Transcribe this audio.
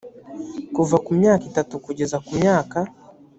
kuva ku myaka itatu kugera ku myaka